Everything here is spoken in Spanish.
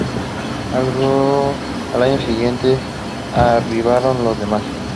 Al año siguiente arribaron los demás.